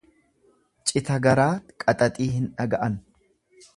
Cita garaa qaxaxii hin dhaga'an.